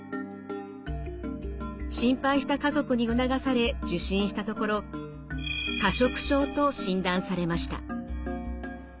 心配した家族に促され受診したところ過食症と診断されました。